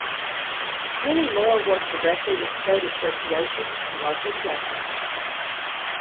Many more work directly with state associations and local chapters.